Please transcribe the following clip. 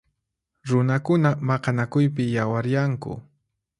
Runakuna maqanakuypi yawaryanku.